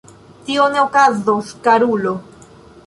Tio ne okazos, karulo.